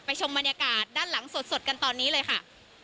ชมบรรยากาศด้านหลังสดกันตอนนี้เลยค่ะ